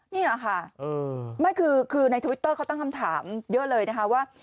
นี่ค่ะไม่คือในทวิตเตอร์เขาตั้งคำถามเยอะเลยนะคะว่า